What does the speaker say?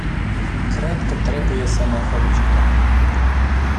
Cred că trebuie să ne felicităm.